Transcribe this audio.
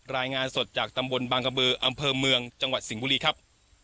รายงานสดจากตำบลบางกระบืออำเภอเมืองจังหวัดสิงห์บุรีครับ